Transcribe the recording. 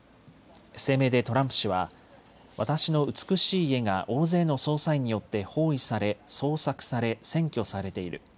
声明でトランプ氏は私の美しい家が大勢の捜査員によって包囲され捜索され、占拠されている。